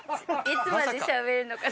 いつまでしゃべんのか。